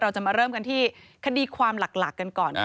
เราจะมาเริ่มกันที่คดีความหลักกันก่อน